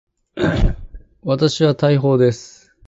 私は大砲です。